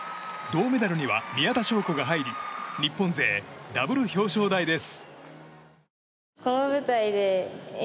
銅メダルには宮田笙子が入り日本勢ダブル表彰台です。